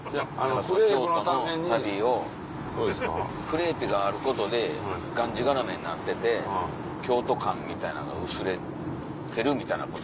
京都の旅をクレープがあることでがんじがらめになってて京都感みたいなのが薄れてるみたいなことはない？